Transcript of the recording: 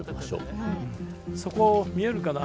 そこ見えるかな？